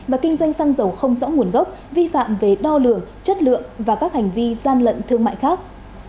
và kinh doanh xăng dầu không rõ nguồn gốc vi phạm về đo lường chất lượng và các hành vi gian lận thương mại khác